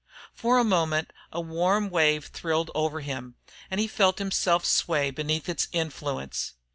For a moment a warm wave thrilled over him and he felt himself sway beneath its influence.